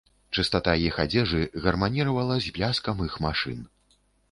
Чыстата іх адзежы гарманіравала з бляскам іх машын.